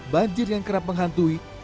banjir yang kerap menghantui